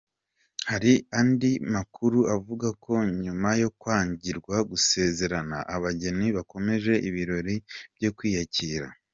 Hari andi makuru avuga ko nyuma yo kwangirwa gusezerana abageni bakomeje ibirori byo kwiyakira.